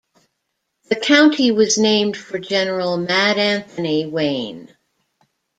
The county was named for General "Mad Anthony" Wayne.